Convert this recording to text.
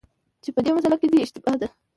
چي په دې مسأله کي دی اشتباه دی،